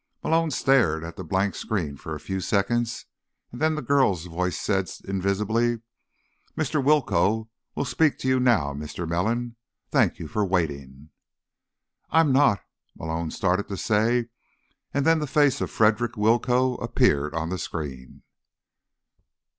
Malone stared at the blank screen for a few seconds, and then the girl's voice said, invisibly: "Mr. Willcoe will speak to you now, Mr. Melon. Thank you for waiting." "I'm not—" Malone started to say, and then the face of Frederick Willcoe appeared on the screen.